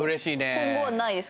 今後はないです